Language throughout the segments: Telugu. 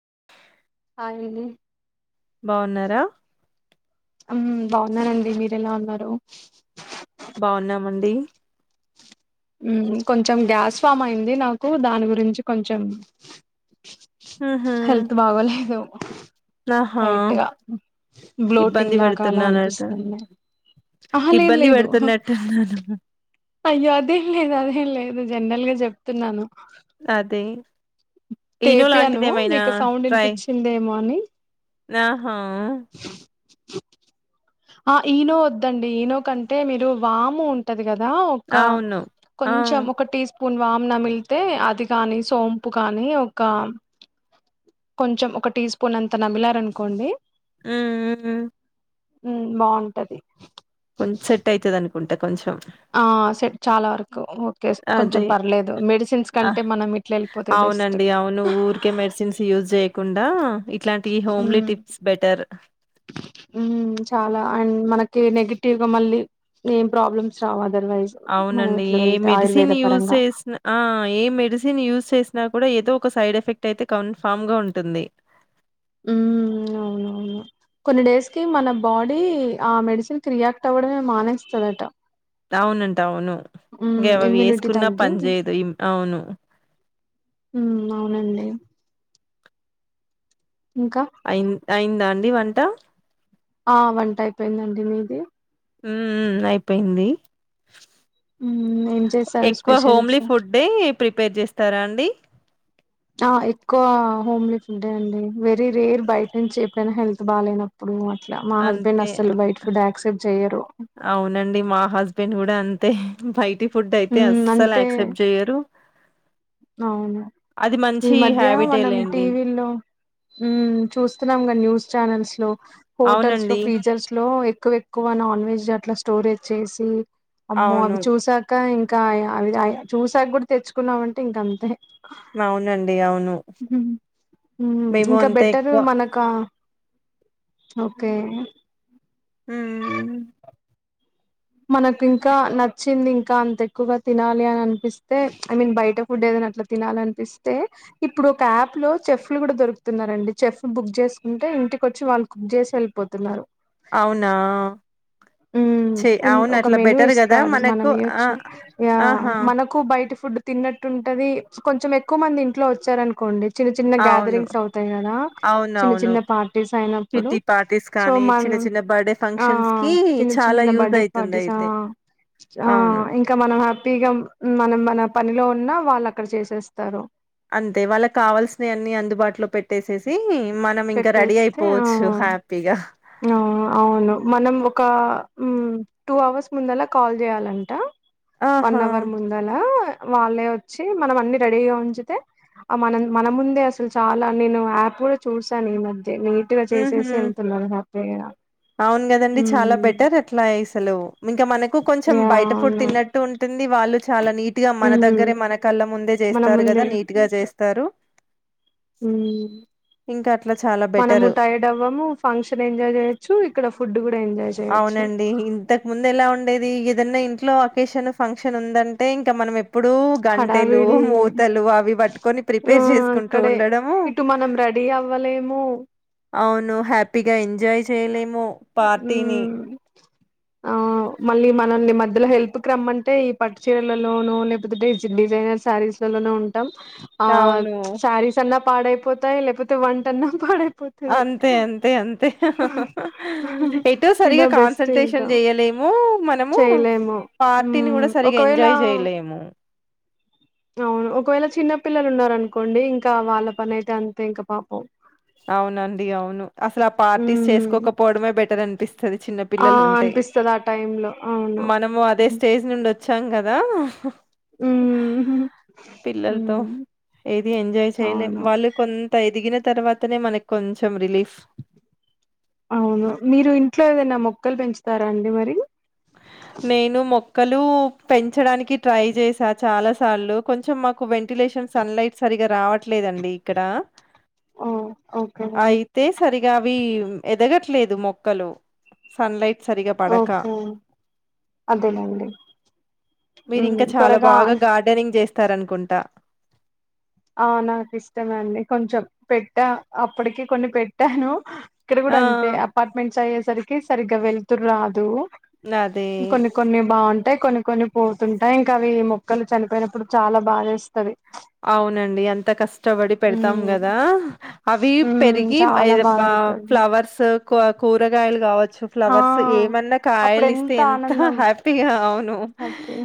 [inaudible] అయిడి బాగున్నారా బాగున్ననండి మీర ఎలా ఉన్నారు బాగున్నామండి కొంచెం గ్యాస్ ఫామ్ అయింది నాకు దాని గురించి కొంచెం ఉహు హెల్త్ బాగోలేదు ఆహా టైట్గా ఇబ్బంది బ్లోటింగ్ లాగా అలా పెడుతున్నానట అనిపిస్తుంది ఆ లేదు ఇబ్బంది లేదు పెడుతున్నట్టున్నాను అయ్యో అదేం లేదు అదేం లేదు జనరల్ గా చెప్తున్నాను అదే ఈనో తేపాను లాంటిది ఏమైనా మీకు సౌండ్ ట్రై వినిపించిందేమో అని ఆహా ఆ ఈనో వద్దండి ఈనో కంటే మీరు వాము ఉంటది కదా ఒక అవును ఆ కొంచెం ఒక టీ స్ పన్వామ్నమిలితే అది కాని సోంపు కాని ఒక కొంచెం ఒక టీ స్పూన్ అంతా నమిలర్ అనుకోండి ఆ ఉ బాగుంటది కొంచ సెట్ అవుతుది అనుకుంటే కొంచెం ఆ సేపు చాలా వరకు ఓకే కొంచెం అదే పర్లేదు మెడిసిన్స్ కంటే ఆహ్, మనం ఇట్ల వెళ్ళిపోతే బెస్ట్ అవునండి అవును ఊకే మెడిసిన్స్ యూస్ హ్మ్ టిప్స్ బెటర్ మ్మ్ చాలా అండ్ మనకు కే నెగిటివ్ గా మళ్ళీ ఏం ప్రాబ్లమ్స్ రావాలి అవునండి ఏ మెడిసిన్ యూజ్ పరంగా చేసిన ఆ ఏ మెడిసిన్ యూజ చేసిన నా కూడా ఏదో ఒక సైడ్ ఎఫెక్ట్ అయితే కన్ ఫామ్ గా ఉంటుంది హ్మ్ అవును కొన్ని డేస్ కి మన బాడీ ఆ మెడిసిన్ కి రియాక్ట్ అవ్వడమే మానేస్తుందట అవునంట అవును ఇంక అవి ఇమ్యూనిటీ వేసుకున్నా తగ్గి పని చేయదు అవును హ్మ్ అవునండి ఇంకా అయి అయిందా అండి వంట ఆ వంట అయిపోయిందండి మీది హ్మ్ అయిపోయింది మ్మ్ ఏం చేశారు ఎక్కువ స్పెషల్స్ హోమ్లీ ఫుడ్డే ప్రిపేర్ చేస్తారా అండి ఆ ఎక్కువ హోమ్లీ ఫుడ్డే అండి వెరీ రేర్ బయట నుంచి ఎప్పుడైనా హెల్త్ బా లేనప్పుడు అ అట్లా మా హస్బెండ్ అంతే అసలు బైట్ ఫుడ్ యాక్సెప్ట్ చెయ్యరు హజ్బెండ్ కూడా అంతే బైటి ఫుడ్ అయితే మ్మ్ అస్సలు అంటే యాక్సెప్ట్ చెయ్యరు అవును ఈ మంచి మధ్య హ్యాబిటే మనం లేండి టీవీ లో హ్మ్ చూస్తున్నాం గ న్యూస్ ఛానల్స్ లో హోటల్స్ లో అవునండి ఫీజర్స్ లోఎక్ ఎక్కువ ఎక్కువ నాన్ వెజ్ అట్లా స్టోరేజ్ చేసి అమ్మో అవును అవి చూసాక ఇం ఇంకా అవి చూసాక కూడా తెచ్చుకున్నామంటే ఇంక అంతే అవునండి అవును మేము ఇంకా అంత బెటరు ఎక్కువ మనక ఓకే హ్మ్ మ్మ్ మనకు ఇంకా నచ్చింది ఇంకా అంత ఎక్కువగా తినాలి అని అనిపిస్తే ఐ మీన్ బయట ఫుడ్ ఏద అట్లా తినాలనిపిస్తే ఇప్పుడు ఒక యాప్ లో చెఫ్లు కూడా దొరుకుతున్నారండి చెఫ్ బుక్ చేసుకు టే ఇంటికొచ్చి వాళ్ళు కుక్ చేసి వెళ్ళిపోతున్నారు అవునా చే అవును ఒక అట్లా మెనూ బెటర్ కదా ఇస్తారు మనం మనకు ఆ ఇయొచ్చు యా ఆహా మనకు బయట ఫు ఫుడ్ తిన్నట్టుంటది కొంచెం ఎక్కువ మంది ఇంట్లో వచ్చారనుకోండి చిన్న చిన్న అవును గ్యాదరింగ్స్ అవుతాయి కదా చిన్న అవునవును చిన్న పార్టీస్ అయినప్పుడు కిట్టి పార్టీస్ సో కానీ మ చిన్న చిన్న బర్త్డే ఆ ఫంక్షన్స్ కి చిన్ చిన్న చాలా చిన్న యూజ్ బర్త్డే అయితుంది పార్టీస్ అయితే ఆ అవును ఇంక మనం హ్యాపీ గా మన మన పనిలో ఉన్నా వాళ్ళు అక్కడ చేసేస్తారు అంతే వాళ్ళ కావల్సినవి అన్ని అందుబాటులో పెట్టేసేసి మనం ఇంక రెడీ పెట్టేస్తే ఆ అయిపోవచ్చు హ్యాపీగా ఆ అవును మనం ఒక హ్మ్ టూ అవర్స్ ముందలా కాల్ చేయాలంట వన్ ఆహా అవర్ ముందలా వాళ్ళే వచ్చి మనం అన్ని రెడీగా ఉంచితే ఆ మనం మన ముందే అసలు చాలా నేను యాప్ కూడా చూసాను ఈ మధ్య నీట్గా చేసేసి ఉహు వెళ్తున్నారు హాప్పీగా అవును కదండి చాలా బెటర్ అట్లా ఇసలు ఇంక మనకు కొంచెం యా బయట ఫుడ్ అవును తిన్నట్టు ఉంటుంది వాళ్ళు చాలా నీట్గా మన మ్ దగ్గరే మన కళ్ళ ము మన ఇస్తారు ముందే కదా నీట్ గా చేస్తారు హ్మ్ ఇంకా అట్లా చాలా మనము బెటర్ టైర్డ్ అవ్వము ఫంక్షన్ ఎంజాయ్ చేయొచ్చు ఇక్కడ ఫుడ్ కూడా ఎంజాయ్ చేయొచ్చు అవునండి ఇంతకు ముందు ఎలా ఉం ఇది ఏదన్నా ఇంట్లో అకేషన్ ఫంక్షన్ ఉందంటే ఇంకా మనం ఇప్పుడు గంటెలు, హడావిడి మూతలు అవి పట్టుకొని ఆ ప్రిపేర్ చేసుకుంటూ అక్కడే ఉండడము. ఇటు మనం రెడీ అవ్వలేము. అవును హ్యాపీగా ఎంజాయ్ చేయలేము. తిని మ్మ్ ఆ మళ్ళీ మనల్ని మధ్యలో హెల్ప్ కి రమ్మంటే ఈ పట్టు చీరలలోనూ లేపోతే డిజైనర్ శారీస్ లోనో ఉంటాం ఆ అవును శారీస్ అన్నా పాడైపోతాయి, లేకపోతే వంట అన్నా పాడై అంతే అంతే అంతే ఎటో సరిగా ఇదా బెస్ట్ కాన్సన్ట్రేషన్ ఇంకా చెయలేము మనము, చేయలేము పార్టీని మ్మ్ కూడా సరిగ ఒకవేళ ఎంజాయ్ చేయలేము. అవును ఒకవేళ చిన్నపిల్లలు ఉన్నరనుకోండి ఇంకా వాళ్ళ పని అయితే అంతే ఇంకా పాపం. అవునండి అవును అసలు ఆ పార్టీస్ మ్మ్ చేసుకోకపోవడమే బెటర్ అం తది చిన్న ఆ పిల్లలు ఉంటై, అనిపిస్తది ఆ టైం లో అవును మనము అదే స్టేజ్ నుండి వచ్చాం కద దా మ్మ్ పిల్లలతో మ్మ్ ఏది ఎంజాయ్ చేయలేం, అవును వాళ్ళు కొంత ఎదిగిన తర్వాతనే మనకు కొంచం రిలీఫ్. అవును మీరు ఇంట్లో ఏదైనా మొక్కలు పెంచుతారా అండి మరి? నేను మొక్ క్కలు పెంచడానికి ట్రై చేసా చాలా సార్లు, కొంచెం మాకు వెంటిలేషన్ సన్ లైట్ సరిగా రావట్ ట్లేదండి ఇక్కడ, ఓ ఓకే అయితే సరిగ్ గా అవి ఎదగట్లేదు మొక్కలు, సన్లైట్ సరిగా పడక ఓకే అదేలేండి మీరి మ్మ్ ఇంకా చాలా త్వరగా బాగా అన్ గార్డెనింగ్ చేస్ తరనుకుంటా. ఆ నాకు ఇష్టమే అండి, కొంచెం పెట్టా అప్పటికి కొన్ని పెట్టాను ఇక్కడ కూడా ఆ అంతే అపార్ట్మెంట్స్ అయ్యేసరికి సరిగ్గా వెళ్తురు రాదు. అదే కొన్ని కొన్ని బాం టే కొన్ని కొన్ని పోతుంటాయి ఇంకా అవి మొక్కలు చనిపోయినప్పుడు చాలా బాగా ఏస్తది. అవునండి ఎంత కష్ ష్టబడి పెడతాం ఉమ్ కదా అవి ఉమ్ పెరిగి చాలా అద్ బాధ ఆ అవుతది ఫ్లవర్స్ కు కూరగాయలు కావచ్ చూ ఆ ఫ్లవర్స్ ఏమన్నా అప్పుడు కాయలిస్తే ఎంత ఆనందం హ్యాపీగా అవును హ్యాపీ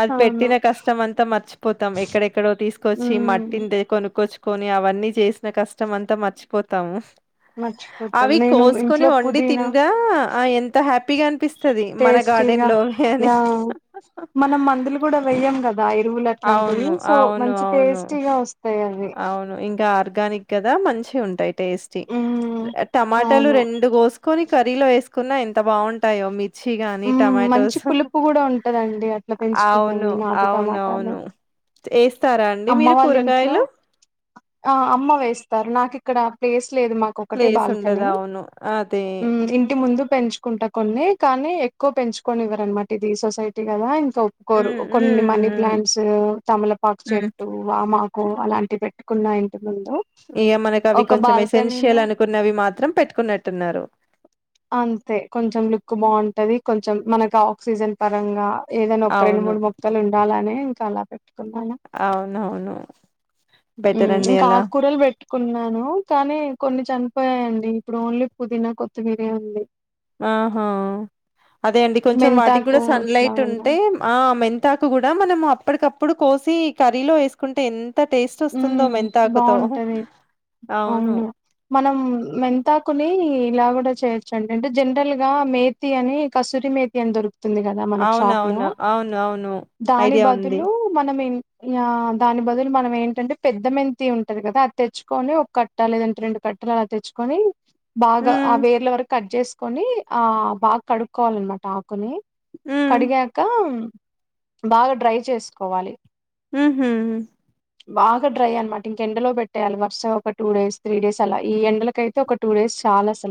అది అవును పెట్టిన కష్టం అంతా మర్చిపోతాం ఎక్కడెక్కడో తీసుకొచ్చి ఉమ్ మట్టిని తే కొనుక్కొచ్చుకొని అవన్నీ చేసిన కష్టం అంతా మర్చిపోతాము. మర్చిపోతాం అవి నేను కోసుకొని ఇంట్లో వండి పుదీనా తినగా ఆ ఎంత హ్యాపీగా అనిపిస్ టేస్టీగా ఆ మనం మందులు కూడా వెయ్యాం కద్ వ ఎరువులు అట్లాంటివి అవును. సో అవును. మంచి అవును. టేస్టీ గా వస్ అవును ఇంకా ఆర్గానిక్ కదా మంచి ఉంటై టేస్టీ ఉమ్ టమాటాలు అవును రెండు కోసుకొని కర్రీలో వేసుకున్నా ఎంత బాగుంటాయో మీ చ్చిగాని ఉమ్ మంచి టొమాటోస్, పులుపు కూడా ఉంటదండి అట్లా పెంచుకున్నవి అవును నాటు టమాటాలు అవునవును ఏస్తారా అండి అమ్మ మీరు వాళ్ళ ఇంట్లో కూరగాయలు? ఆ అమ్మ వేస్తారు, నాకు ఇక్కడ ప్లేస్ లేదు మాకు ఒకటే ప్లేస్ ఉండదు బాల్కనీ, అవును అదే ఉమ్ ఇంటి ముందు పెంచుకుంటా కొన్ని కానీ ఎక్కువ పెంచుకొని ఇవ్వరనమాట ఇది సొసైటీ కదా. తో ఒప్పుకోరు ఉమ్ ఉమ్ కొన్ని మనీ ప్లాంట్స్, తమలపాకు ఉమ్ చెట్టు, వామాకు అలాంటి పెట్ కున్నా ఇంటు ఇగ మనకు అవి కొంచెం ఎసెన్షియల్ బాల్కనీలో అనుకున్నవి మాత్రం పెట్టుకున్నట్టున్నారు. అంతే కొంచెం లుక్ బాగుంటది, కొంచెం మనకు ఆక్సిజన్ పరంగా ఏదైన్న ఒక రెండు అవును మూడు మొక్కలు ఉండాలనే ఇంకా అలా. పెట్టుకున్నాను అవునవును. బెటర్ అండి ఇంకా అలా ఆకూరలు పెట్టుకున్నాను, కానీ కొన్ని చని ఉయండి ఇప్పుడు ఓన్లీ పుదీనా కొత్తిమీరే ఉంది ఆహా అదే అండి కొంచెం వాటికి మెంతాకు కూడా సన్ ఇట్లా లైట్ ఉన్న ఉంటే ఆమెంత దాక కూడా మనం అప్పటికప్పుడు కోసి కర్రీలో వేసుకుంటే ఎంతా ఎంత టేస్ట్ వస్తుందో హ్మ్ మెంతాకుతో బావుంటది అవును మనం మెంతాకుని ఇలాగ చేయొచ్చండి అంటే జనరల్ గా మేతి అని కసురి మేతి అని దొరుకుతు తుంది కదా మన షాప్ లో అవునవును. అవును. అవును. దాని ఐడియా ఉంది. బదులు మనం దాని బదులు మనము ఏం టంటే పెద్ద మంతి ఉంటది కదా అది తెచ్చుకొని ఒక కట్ట లేదంటే రెండు కట్టలు అలా తెచ్చుకొని బాగా ఆ హ్మ్. వేర్ల వరకు కట్ చేసుకొని ఆ బాగా కడుక్కోవాలన్నమాట ఆకుని హ్మ్. కడిగాక బాగా డ్రై చేసుకోవాలి హ్మ్ బాగా డ్రై అనమాట ఇంక ఎండలో పెట్టేయాలి వరుసగా ఒక టూ డేస్ త్రీ డేస్ అలా ఈ ఎండలక అయితే ఒక టూ డేస్ చాలా అస్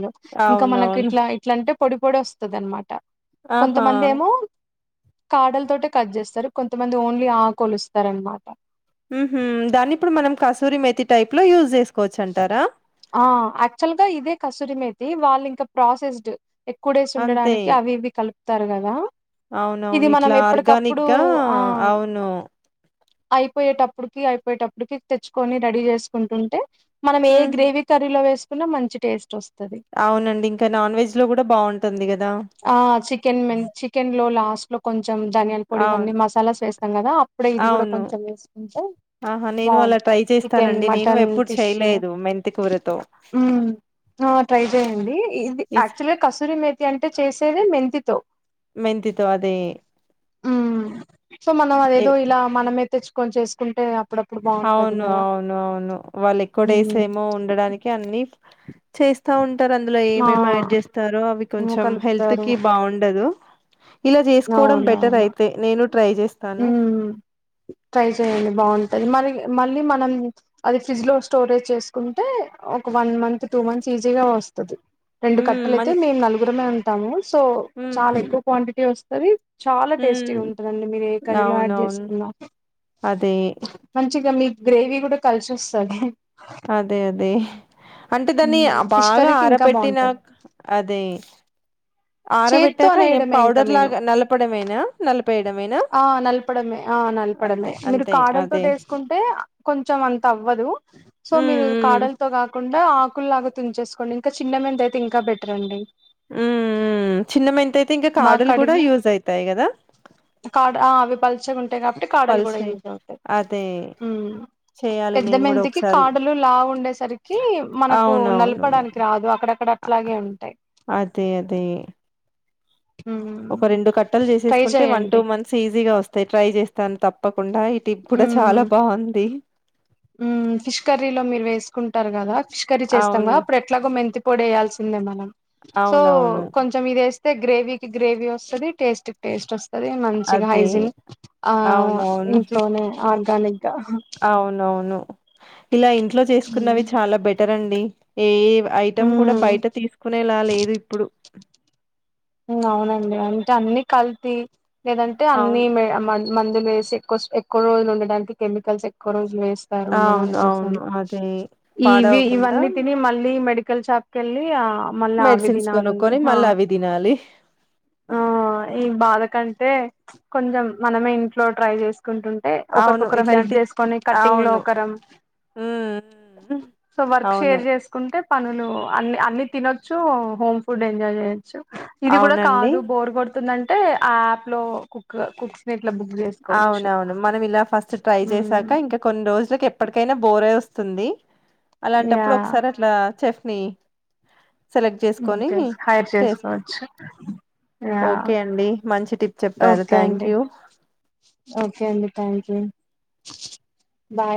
ఇంకా మనకు అవునవును. ఇట్లా ఇట్లాంటే పొడి పొడి వస్తుంది అనమాట ఆహా! కొంతమంది ఏమో కాడల తోటే కట్ చేస్తారు కొంతమంది ఓన్లీ ఆకలుస్తారనమాట మ్మ్ హ్మ్ దాన్ని ఇప్పుడు మనం కసూరి మేతి టైప్ లో యూజ్ చేసు ఆ యాక్చువల్ గా ఇదే కసూరి మేతి వాళ్ళు ఇంకా ప్రాసెస్డ్ ఎక్కుడేసి అంతే. ఉండడానికి అవి ఇవి కలుపుతారు కదా ఇది అవునవును. మనం ఇట్లా ఎప్పటికప్పుడు ఆర్గానిక్‌గా ఆ అవును. అయిపోయేటప్పుడుకి అయిపోయేటప్పుడుకి తెచ్చుకొని రెడీ చేసుకుంటుంటే మనం ఏ హ్మ్. గ్రవీ కర్రీలో వేసుకున్నా మంచి టేస్ట్ వస్తుంది అవునండి ఇంకా నాన్ వెజ్ లో కూడా బాగుంటుంది కదా ఆ చికెన్ మ చికెన్ లో లాస్ట్ లో కొం కొంచెం ధనియాల పొడి అవును. ఇవన్నీ మసాలాస్ వేస్తాం కదా అప్పుడే ఇది కూడా అవును. కొంచెం వేసుకుంటే ఆహా నేను అలా బాగుంట ట్రై చికెన్ చేస్తానండి నేను మటన్ ఎప్పుడు ఫిష్ చేయలేదు మెంతి కూరతో మ్మ్ ఆ ట్రై చెయండి ఇది ఇస్ యాక్చువల్గా కసూరి మేతి అంటే చేసేది మెంతితో మెంతితో అదే ఉమ్ సో మనం ఎ అదేదో ఇలా మనమే తెచ్చుకొని చేసుకుంటే అప్పుడ అవును అవును అవును వాళ్ళ ఎక్కువ డేస్ ఉమ్ ఏమో ఉండడానికి అన్ని చేస్తా ఉంటారు అందులో ఆ ఏమేమి యాడ్ చేస్తారో అవి ఏమో కొంచెం హెల్త్ కలుపుతారు కి బాగుండదు ఇల చేసుకోవడం బెటర్ అయితే నేను ట్రై చెస్ మ్మ్ ట్రై చెయండి బాగుంటది మ మళ్ళీ మనం అది ఫ్రిజ్ లో స్టోరేజ్ చేసుకుంటే ఒక వన్ మంత్ టూ మంత్స్ ఈసీగా వస్తది రెండు ఉమ్ కట్టలు అయితే మన్ మేము నలుగురమే ఉంటాము సో ఉమ్ చాలా ఎక్కువ క్వాంటిటీ వస్తది చాలా ఉమ్ టేస్టీగా ఉంటుందిండి మీరు ఏ కర్రీలో యాడ్ అవునవును చేసుకున్నా అదే మంచి ఇక మీ గ్రేవీ కూడా కలిసి వస్తది అదే అదే అంటే దాన్ని ఫిష్ బాగా కర్రీకి ఆర ఇంకా పెట్టి బాగుంటది నాకు అదే చేత్తో ఆరబెట్టాక ఇగ అనేయడమే ఇంకా పౌడర్ మీరు లాగా నలపడమేనా నలిపేయడమేనా ఆ నలపడమే ఆ అంతే నలపడమే మీరు అంతే అదే కదలతోటి వేసుకుంటే కొంచెం అంతా అవ్వదు సో ఉమ్ మీరు ఉమ్ కదల్తో కాకుం కుండా ఆకుల్లాగా తుంచేసుకోండి ఇంకా చిన్న మీద అయితే ఇంకా బెటర్ అండి మ్మ్ మ్మ్ చిన్న మెంతి అయితే ఇంకా కాడులు కూడా యూజ్ అవుతాయి కదా కా అవిపల్ ట కాబట్టి కాడలు కూడా పల్చయి యూజ్ అవుతాయి అదే హ్మ్ చేయాలి పెద్ద నేను కూడా మంతకి ఒకసారి కాడలు లావు ఉండేసరికి మనకు అవునవును నలపడానికి రాదు అక్కడక్కడ అట్లాగే ఉంటాయి అదే అదే ఉమ్ ఒక రెండు కట్టలు ట్రై చేసేసుకుంటే వన్ టూ చేయండి మంత్స్ ఈజీగా వస్తాయి ట్రై చేస్తాను తప్పకు తకుండా ఈ టిప్ కూడా ఉమ్ చాలా బాగుంది ఫిష్ కర్రీలో మీరు వేసుకుంటారు కదా ఫిష్ కర్రీ చేస్తాం కద అవును అప్పుడు ఎట్లాగో మెంతి పొడి వేయాల్సిందే మనం సో అవునవును కొంచం ఇది వేస్తే గ్రేవి కి గ్రేవి వస్తుంది టేస్ట్ కి టేస్ట్ వస్తు ది మంచిగా అదే హైజిన్ ఆ అవునవును ఇంట్లోనే ఆర్గానిక్ గా అవునవును ఇలా ఇంట్లో చేసుకున్నవి చాలా బెటర్ అండి ఏ ఐటెం కూడా మ్మ్ బయట తీసుకునేలా లేదు ఇప్పుడు అవునండి అంటే అన్ని కల్తీ లేదంటే అన్ని అవును మ మందులు వేసి ఎకువ రోజులు ఉండడానికి కెమికల్స్ ఎక్కువ రోజులు వేస్తారు ఉండడం అవును కోసం అవును అదే ఇవి పాడవకుండా ఇవన్నీ తిని మళ్ళీ మే డికల్ షాపుకెళ్ళి ఆ మళ్ళీ ఆవి మెడిసిన్స్ తినాలి కొనుక్కొని ఆ మళ్ళీ అవి తినాలి ఆ ఈ బాధ కంటే కొంచం మనమే ఇంట్లో ట్రై చేస్త టుంటే అవును ఒకరికొకరు హెల్ప్ ఇట్లాంటి చేసుకొని కటింగ్ లో అవును ఒకరం హ్మ్ హ్మ్ సో వర్క్ అవును షేర్ చేసుకుంటే పనులు అన్ని అన్ని తినొచ్చు హోమ్ ఫుడ్ ఎంజాయ్ చేయొచ్చు ఇది కూడా అవునండి కాదు బోర్ కొడుతుందంటే ఆ యాప్ లో కుక్ కుక్స్ న అవునవును మనం ఇలా ఫస్ట్ ట్రై చేసాక మ్మ్ ఇంకా కొన్ని రోజులకి ఎప్పటికైనా బోరే వస్తుంది యా అలాంటప్పుడు ఒకసారి అట్లా చెఫ్నీ సెలెక్ట్ బుక్ చేసుకొని చేసి హైర్ చేసుకో చేసుకోవచ్చు యా ఓకే అండి మంచి టిప్ చెప్పారు ఓకే థ్యాంక్ అండి యూ ఓకే అండి థ్యాంక్ యూ బాయ్